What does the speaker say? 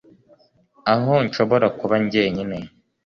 aho nshobora kuba njyenyine